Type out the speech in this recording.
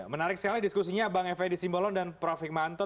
menarik sekali diskusinya bang f fedy simbolon dan prof fikmanto